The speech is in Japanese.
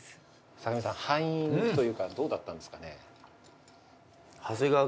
坂上さん敗因というかどうだったんですかね？